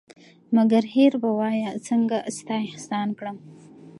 مگر هېر به وایه څنگه ستا احسان کړم